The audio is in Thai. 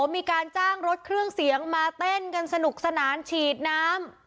มีการจ้างรถเครื่องเสียงมาเต้นกันสนุกสนานฉีดน้ำ